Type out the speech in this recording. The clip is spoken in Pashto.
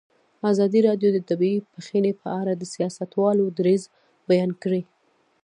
ازادي راډیو د طبیعي پېښې په اړه د سیاستوالو دریځ بیان کړی.